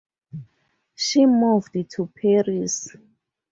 She moved to Paris.